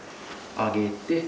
上げて。